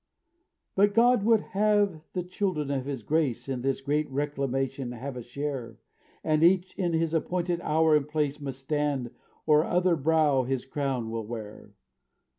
"But God would have the children of His grace In this great reclamation have a share; And each in his appointed hour and place Must stand, or other brow his crown will wear."